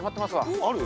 ある？